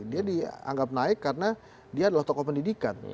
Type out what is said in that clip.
dia dianggap naik karena dia adalah tokoh pendidikan